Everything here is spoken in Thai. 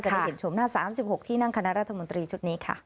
ได้เห็นชมหน้า๓๖ที่นั่งคณะรัฐมนตรีชุดนี้ค่ะ